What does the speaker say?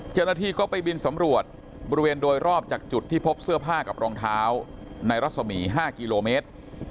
เจ้าหน้าที่ก็ไปบินสำรวจบริเวณโดยรอบจากจุดที่พบเสื้อผ้ากับรองเท้าในรัศมี๕กิโลเมตร